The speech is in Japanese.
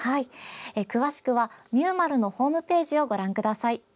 詳しくは、みゅーまるのホームページをご覧ください。